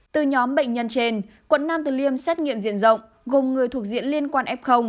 từ nhóm bệnh nhân trên quận nam từ liêm xét nghiệm diện rộng gồm người thuộc diện liên quan f